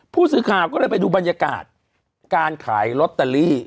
ผู้สื่อข่าวก็เลยไปดูบรรยากาศการขายลอตเตอรี่